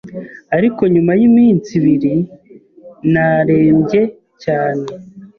ariko nyuma y’iminsi ibiri narembye cyane